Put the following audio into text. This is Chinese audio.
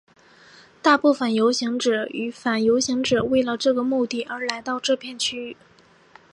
大部分的游行者与反游行者为了这个目的而来到这片区域。